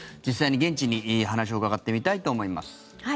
実際に現地に話を伺ってみたいと思います。